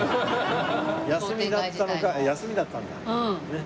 休みだったのか休みだったんだ。